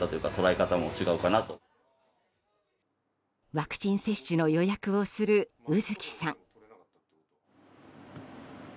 ワクチン接種の予約をする卯月さん。